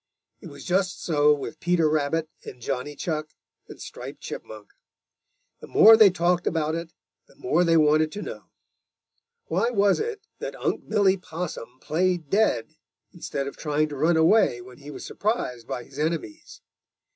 It was just so with Peter Rabbit and Johnny Chuck and Striped Chipmunk. The more they talked about it, the more they wanted to know. Why was it that Unc' Billy Possum played dead instead of trying to run away when he was surprised by his enemies?